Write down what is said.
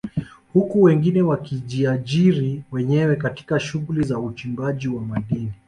Huku wengine wakijiajiri wenyewe katika shughuli za uchimbaji wa madini